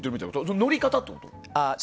乗り方ってこと？